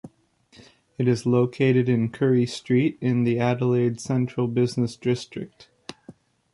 It is located in Currie Street in the Adelaide central business district.